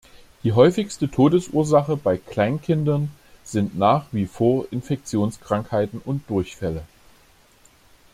Die häufigste Todesursache bei Kleinkindern sind nach wie vor Infektionskrankheiten und Durchfälle.